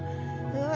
うわ